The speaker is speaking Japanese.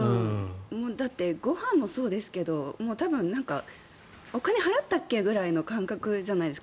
だってご飯もそうですけどお金を払ったっけ？くらいの感覚じゃないですか。